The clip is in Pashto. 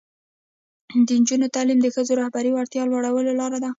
د نجونو تعلیم د ښځو رهبري وړتیا لوړولو لاره ده.